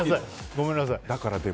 ごめんなさい。